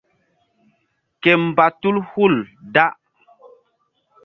Ke mba tul hul da.